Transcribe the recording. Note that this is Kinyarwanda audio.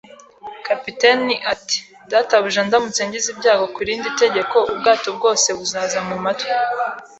Kapiteni ati: “Databuja, ndamutse ngize ibyago ku rindi tegeko, ubwato bwose buzaza mu matwi